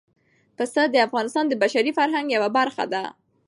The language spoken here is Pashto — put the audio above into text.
پسه د افغانستان د بشري فرهنګ یوه برخه ده.